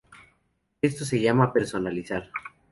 Esto se llama personalizar.